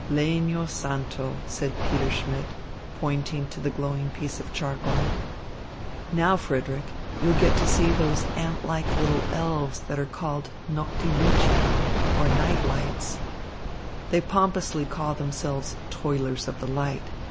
"Legno santo," said Peter Schmidt, pointing to the glowing piece of charcoal. "Now, Frederick, you will get to see those ant like little elves that are called noctiluci or night lights. They pompously call themselves Toilers of the Light.